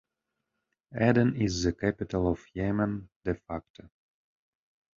Aden is the capital of Yemen de facto.